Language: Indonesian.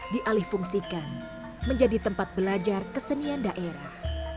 dialih fungsikan menjadi tempat belajar kesenian daerah